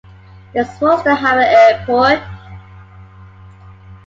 Does Rostock have an airport?